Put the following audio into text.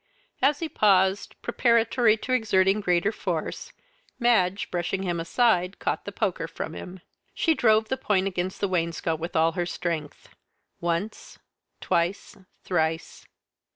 As he paused, preparatory to exerting greater force, Madge, brushing him aside, caught the poker from him. She drove the point against the wainscot with all her strength once, twice, thrice.